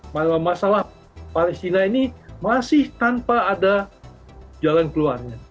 masalah masalah palestina ini masih tanpa ada jalan keluarnya